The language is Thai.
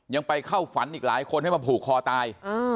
ยังไปเข้าฝันอีกหลายคนให้มาผูกคอตาย